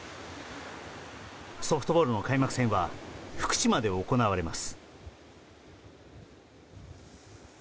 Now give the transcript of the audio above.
ソフトボールの開幕戦は福島で行われます。